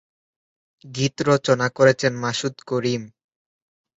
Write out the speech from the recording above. গীত রচনা করেছেন মাসুদ করিম।